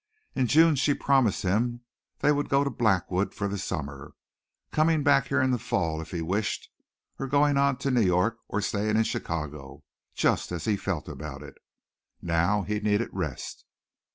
In June she promised him they would go to Blackwood for the summer, coming back here in the fall if he wished, or going on to New York or staying in Chicago, just as he felt about it. Now he needed rest.